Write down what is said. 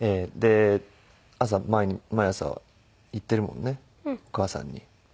毎朝言ってるもんねお母さんに。